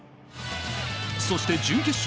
そして準決勝